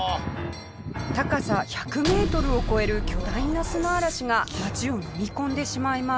高さ１００メートルを超える巨大な砂嵐が街をのみ込んでしまいます。